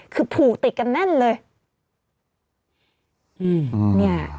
คือผูกติดกันแน่นเลย